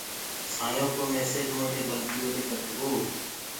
سآئينٚ يو ڪو ميسيج موندي گلتيو دي ڪٽ گو۔